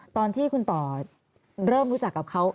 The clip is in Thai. ตอนที่คุณต่อเริ่มรู้จักกับเขา